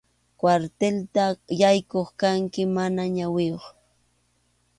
Kwartilta yaykuq kanki mana ñawiyuq.